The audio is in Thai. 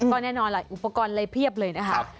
ก็แน่นอนแหละอุปกรณ์เลยเพียบเลยนะครับ